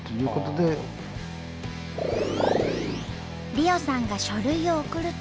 莉緒さんが書類を送ると。